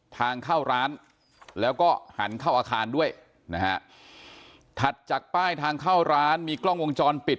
ทางเข้าร้านแล้วก็หันเข้าอาคารด้วยนะฮะถัดจากป้ายทางเข้าร้านมีกล้องวงจรปิด